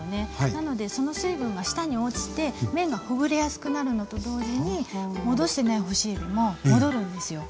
なのでその水分が下に落ちて麺がほぐれやすくなるのと同時に戻してない干しえびも戻るんですよ。